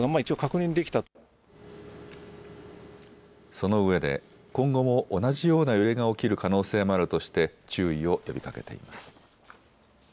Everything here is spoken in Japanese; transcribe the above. そのうえで今後も同じような揺れが起きる可能性もあるとして注意を呼びかけています。